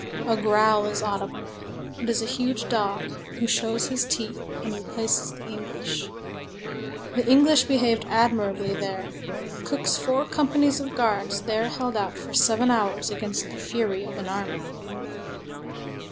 A growl is audible; it is a huge dog, who shows his teeth and replaces the English. The English behaved admirably there. Cooke's four companies of guards there held out for seven hours against the fury of an army.